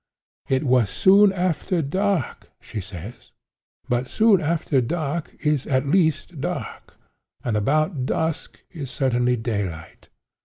'It was soon after dark,' she says. But 'soon after dark,' is, at least, dark; and 'about dusk' is as certainly daylight.